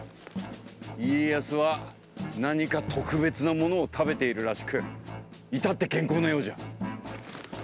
家康は何か特別なものを食べているらしく至って健康のようじゃ。